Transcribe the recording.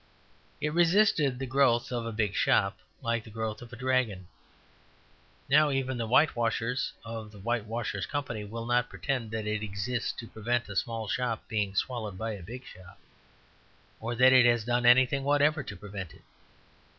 It resisted the growth of a big shop like the growth of a dragon. Now even the whitewashers of the Whitewashers Company will not pretend that it exists to prevent a small shop being swallowed by a big shop, or that it has done anything whatever to prevent it.